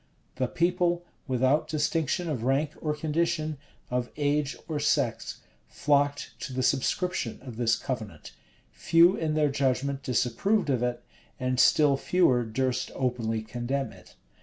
[] The people, without distinction of rank or condition, of age or sex, flocked to the subscription of this covenant: few in their judgment disapproved of it; and still fewer durst openly condemn it.